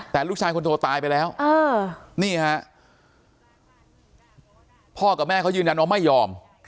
แต่ลูกชายคนโทรตายไปแล้วนี่ฮะพ่อกับแม่เขายืนยันว่าไม่ยอม